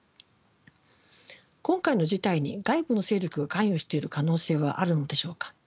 今回の事態に外部の勢力が関与している可能生はあるのでしょうか。